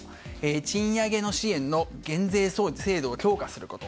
賃上げの支援の減税制度を強化すること。